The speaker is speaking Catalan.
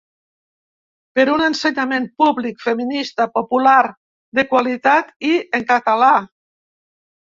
Per un ensenyament públic, feminista, popular, de qualitat i en català.